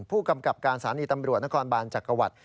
ผู้กำกับการสถานีตำรวจนครบานจักรวรรดิ